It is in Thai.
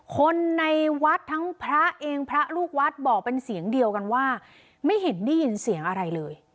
คนในวัดทั้งพระเองพระลูกวัดบอกเป็นเสียงเดียวกันว่าไม่เห็นได้ยินเสียงอะไรเลย